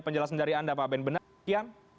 penjelasan dari anda pak ben benar demikian